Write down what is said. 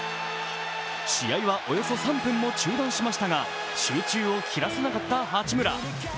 試合はおよそ３分も中断しましたが集中を切らさなかった八村。